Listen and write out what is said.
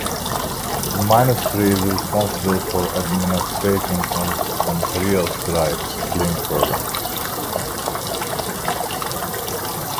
The ministry is responsible for administering Ontario's Drive Clean program.